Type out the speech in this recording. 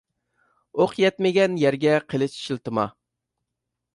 ئوق يەتمىگەن يەرگە قىلىچ شىلتىما.